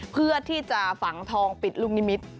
เพื่อที่จะฝังทองปิดลูกนิมิตร